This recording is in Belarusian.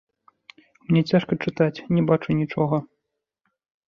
Мне цяжка чытаць, не бачу нічога.